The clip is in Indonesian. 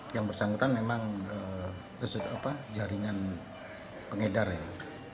yang bersangkutan memang jari nyatanya